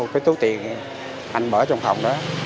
cái túi tiền anh bỏ trong phòng đó